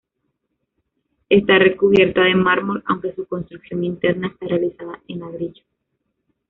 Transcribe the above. Está recubierta de mármol, aunque su construcción interna está realizada en ladrillo.